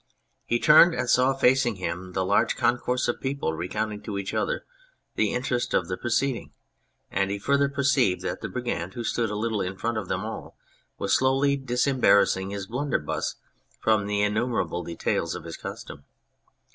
He turned and saw facing him the large concourse of people recounting to each other the interest of the proceedings ; and he further perceived that the Brigand, who stood a little in front of them all, was slowly disembarrassing his blunder buss from the innumerable details of his costume.